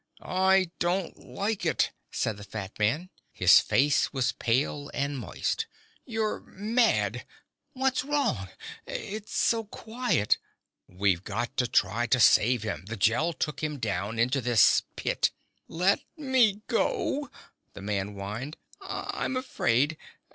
"I don't like it," said the fat man. His face was pale and moist. "You're mad. What's wrong? It's so quiet ..." "We've got to try to save him. The Gel took him down into this pit " "Let me go," the man whined. "I'm afraid.